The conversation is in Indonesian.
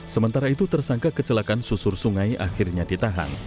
sementara itu tersangka kecelakaan susur sungai akhirnya ditahan